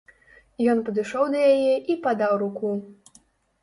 Ён падышоў да яе і падаў руку.